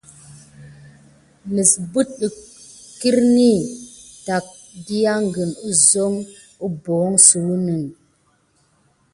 Nəbatek əkayet kiriŋ a təky na əzangya vi memeɗiŋɗeŋ.